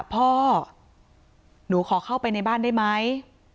พ่อหนูขอเข้าไปในบ้านได้ไหม